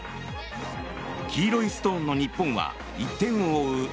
黄色いストーンの日本は１点を追う